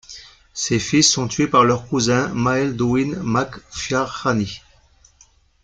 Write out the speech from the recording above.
Ses fils sont tués par leur cousin Máel Dúin mac Fiachnai.